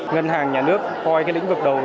ngân hàng nhà nước coi lĩnh vực đầu